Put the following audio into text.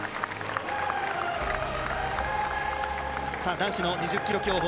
男子の２０ｋｍ競歩